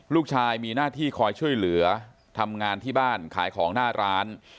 ลูกชายมีหน้าที่คอยช่วยเหลือทำงานที่บ้านขายของหน้าร้าน